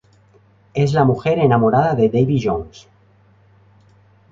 Es la mujer enamorada de Davy Jones.